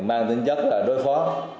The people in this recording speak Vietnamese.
mang tính chất là đối phó